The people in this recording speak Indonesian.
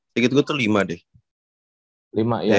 tadi gue tuker lima deh